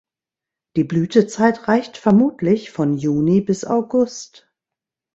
Die Blütezeit reicht vermutlich von Juni bis August.